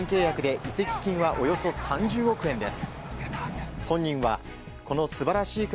４年契約で移籍金はおよそ３０億円です。